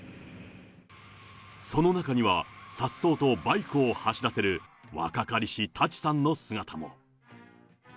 その中には、さっそうとバイクを走らせる、若かりし舘さんの姿も。